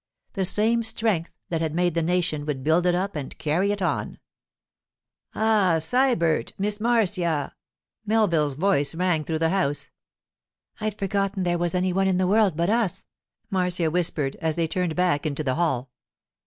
The same strength that had made the nation would build it up and carry it on. 'Ah, Sybert! Miss Marcia!' Melville's voice rang through the house. 'I'd forgotten there was any one in the world but us,' Marcia whispered as they turned back into the hall.